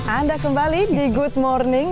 anda kembali di good morning